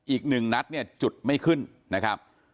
อีกหนึ่งนัดเนี่ยจุดไม่ขึ้นนะครับ